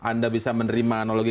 anda bisa menerima analogi